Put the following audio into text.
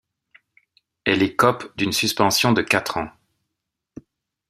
Elle écope d'une suspension de quatre ans..